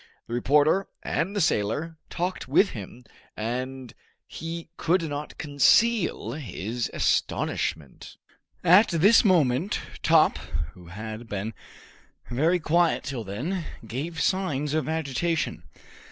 The reporter and the sailor talked with him, and he could not conceal his astonishment. At this moment Top, who had been very quiet till then, gave signs of agitation.